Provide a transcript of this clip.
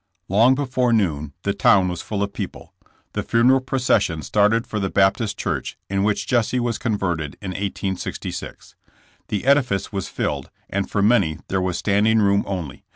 Long before noon the town was full of people. The funeral procession started for the Baptist church, in which Jesse was converted in 1866. The edifice was filled, and for many there was standing room only.